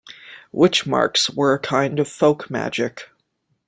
Witch marks were a kind of folk magic.